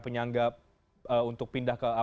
penyanggap untuk pindah ke